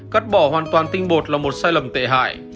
cắt bỏ hoàn toàn tinh bột là một sai lầm tệ hại